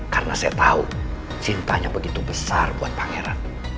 karena saya tahu cintanya begitu besar buat pangeran